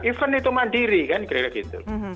event itu mandiri kan kira kira gitu